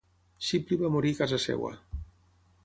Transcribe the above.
Shipley va morir a casa seva.